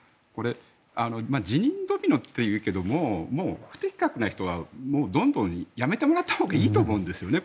辞任ドミノというけど不適格な人はどんどん辞めてもらったほうがいいと思うんですね。